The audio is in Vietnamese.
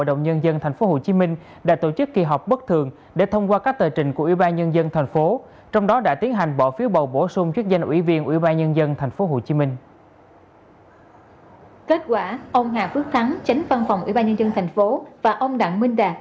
ông hà phước thắng chánh văn phòng ủy ban nhân dân tp hcm và ông đặng minh đạt